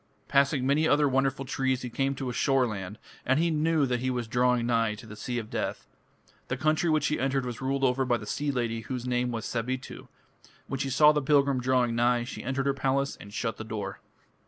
Passing many other wonderful trees, he came to a shoreland, and he knew that he was drawing nigh to the Sea of Death. The country which he entered was ruled over by the sea lady whose name was Sabitu. When she saw the pilgrim drawing nigh, she entered her palace and shut the door.